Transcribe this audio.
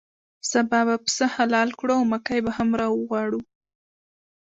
سبا به پسه حلال کړو او مکۍ به هم راوغواړو.